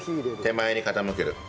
手前に傾ける。